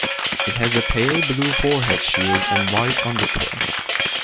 It has a pale blue forehead shield and white undertail.